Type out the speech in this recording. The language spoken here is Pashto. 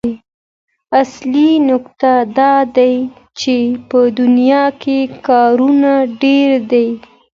اصلي نکته دا ده چې په دنيا کې کارونه ډېر دي.